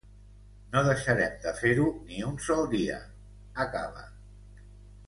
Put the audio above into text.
No deixarem de fer-ho ni un sol dia!, acaba.